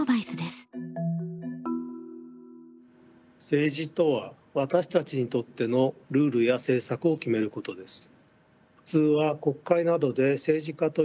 政治とは私たちにとってのルールや政策を決めることです。